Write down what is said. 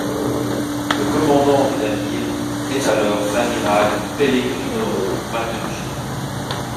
Le commandant du navire est alors l'amiral Pellegrino Matteucci.